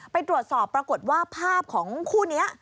ไปตรวจสอบปรากฏว่าภาพของคู่นี้